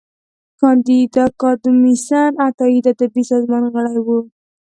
کانديد اکاډميسن عطايي د ادبي سازمانونو غړی و.